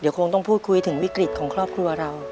คงต้องพูดคุยถึงวิกฤตของครอบครัวเรา